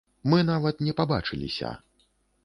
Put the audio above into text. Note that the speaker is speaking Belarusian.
Мы нават не пабачыліся.